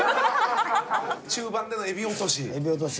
中盤でのエビ落とし。